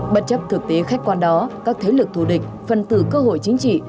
bất chấp thực tế khách quan đó các thế lực thù địch phân tử cơ hội chính trị